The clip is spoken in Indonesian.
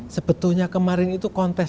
sebetulnya kemarin itu kontroversi